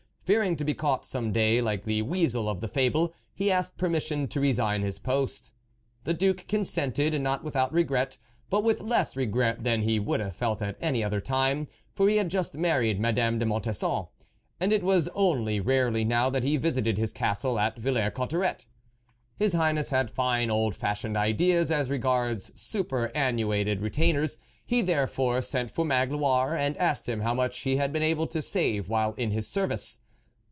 Fearing to be caught some day like the weasel of the fable, he asked permission to resign his post. The Duke consented, not without re gret, but with less regret than he would have felt at any other time, for he had just THE WOLF LEADER married Madame de Montesson, and it was only rarely now that he visited his castle at ViJlers Cotterets. His Highness had fine old fashioned ideas as regards superannuated retainers. He, therefore, sent for Magloire, and asked him how much he had been able to save while in his service.